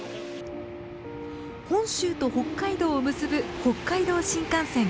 本州と北海道を結ぶ北海道新幹線。